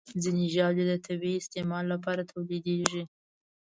ځینې ژاولې د طبي استعمال لپاره تولیدېږي.